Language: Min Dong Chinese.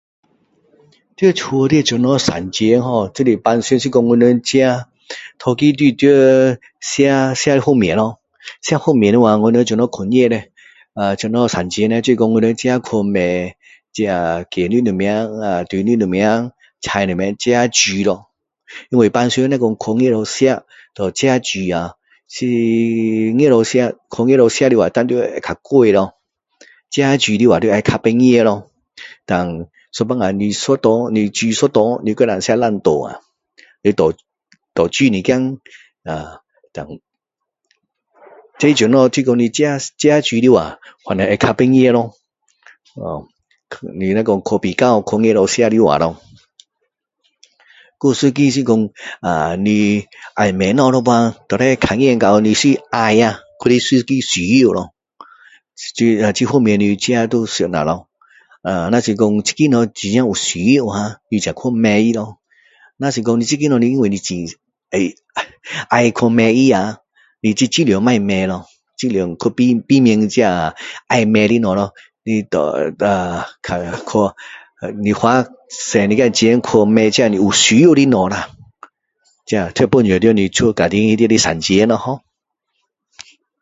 在家里怎样省钱ho就是平时是说我们第一个就是我们要吃好的方面咯吃的方面的我们怎么省钱叻就是说我们自己去买这鸡肉什么猪肉什么菜什么自己煮咯因为平时若说外面吃和自己煮啊外面吃去外面吃的话当然会较贵咯自己煮的的话会较便宜咯胆有时候煮一餐你煮一餐你还可以吃两餐啊你多煮一点啊胆不管怎样你自己自己煮的话反正会较便宜咯啊你若是去比较去外面吃的话咯还有一个是说啊你要买东西的时候要看见你是一个要啊还是一个需要咯就是啦这方面你自己就要想一下咯呃若是说这个东西真的有需要啊你才去买他咯若是说这个东西你是很ei要去买他啊你就尽量不要买咯尽量去避避免这要买的东西咯你对得这呃你花多一点钱去买这你有需要的东西啦这这帮助到你家家庭里省钱ho